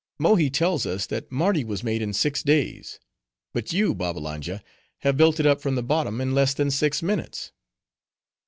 Mohi tells us, that Mardi was made in six days; but you, Babbalanja, have built it up from the bottom in less than six minutes."